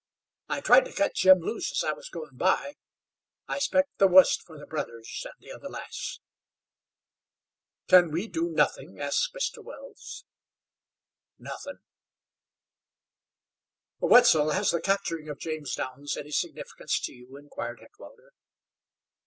I tried to cut Jim loose as I was goin' by. I s'pect the wust fer the brothers an' the other lass." "Can we do nothing?" asked Mr. Wells. "Nothin'!" "Wetzel, has the capturing of James Downs any significance to you?" inquired Heckewelder.